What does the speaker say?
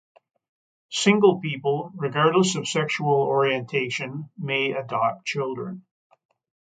Single people, regardless of sexual orientation, may adopt children.